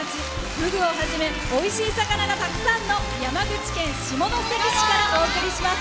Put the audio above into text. ふぐをはじめおいしい魚がたくさんの山口県下関市からお送りします。